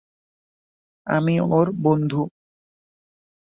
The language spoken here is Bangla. আমি ওর বন্ধু।